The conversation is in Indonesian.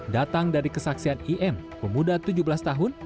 datang dari kesaksian im pemuda tujuh belas tahun